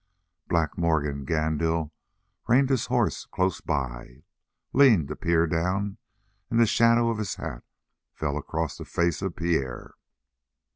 Black Morgan Gandil reined his horse close by, leaned to peer down, and the shadow of his hat fell across the face of Pierre.